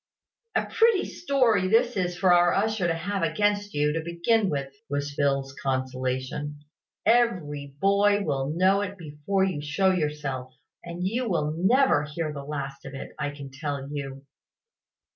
"A pretty story this is for our usher to have against you, to begin with," was Phil's consolation. "Every boy will know it before you show yourself; and you will never hear the last of it, I can tell you."